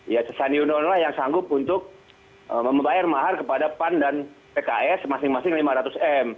ya sandi undon lah yang sanggup untuk membayar mahal kepada pan dan pks masing masing lima ratus m